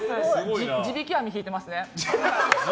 地引き網引いてますね。